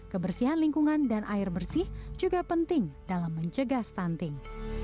kebersihan lingkungan dan air bersih juga penting dalam mencegah stunting